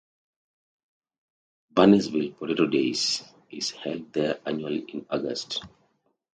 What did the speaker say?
"Barnesville Potato Days" is held there annually in August.